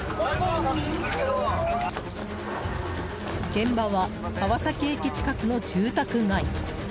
現場は川崎駅近くの住宅街。